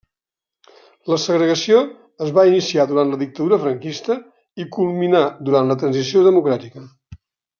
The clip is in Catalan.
La segregació es va iniciar durant la dictadura Franquista i culminà durant la transició democràtica.